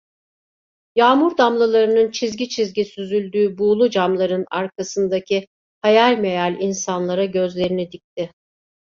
Yağmur damlalarının çizgi çizgi süzüldüğü buğulu camların arkasındaki hayal meyal insanlara gözlerini dikti.